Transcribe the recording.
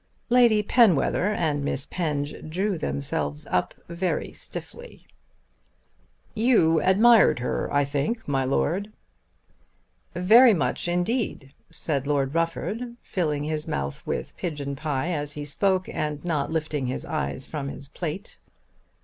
Lady Penwether and Miss Penge drew themselves up very stiffly. "You admired her, I think, my Lord." "Very much indeed," said Lord Rufford, filling his mouth with pigeon pie as he spoke, and not lifting his eyes from his plate.